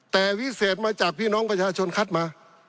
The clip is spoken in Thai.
แต่วิเศษมาจากพี่น้องประชาชนคัดมา